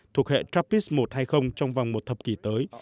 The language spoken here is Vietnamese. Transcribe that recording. thuộc hệ chappis một hay không trong vòng một thập kỷ tới